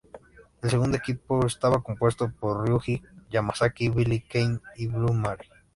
El segundo equipo, estaba compuesto por Ryuji Yamazaki, Billy Kane y Blue Mary.